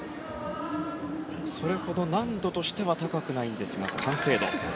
それほど難度としては高くないんですが完成度。